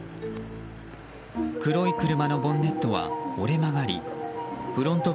黒い車のボンネットは折れ曲がりフロント